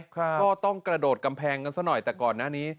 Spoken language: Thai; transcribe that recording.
ก็ต้องกระโดดกำแพงกันซะหน่อยแต่ก่อนหน้านี้